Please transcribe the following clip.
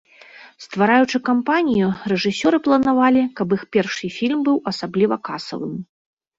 Ствараючы кампанію, рэжысёры планавалі, каб іх першы фільм быў асабліва касавым.